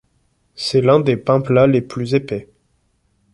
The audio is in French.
C'est l'un des pains plats les plus épais.